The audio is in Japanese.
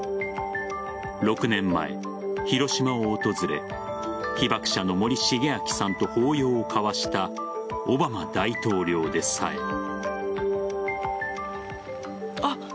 ６年前、広島を訪れ被爆者の森重昭さんと抱擁を交わしたオバマ大統領でさえ。